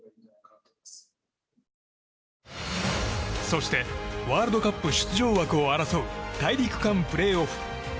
そしてワールドカップ出場枠を争う大陸間プレーオフ。